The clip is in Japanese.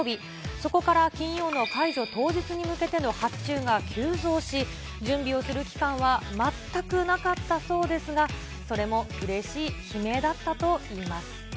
そこから金曜の解除当日に向けての発注が急増し、準備をする期間は全くなかったそうですが、それもうれしい悲鳴だ